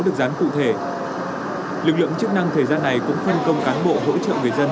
được dán cụ thể lực lượng chức năng thời gian này cũng phân công cán bộ hỗ trợ người dân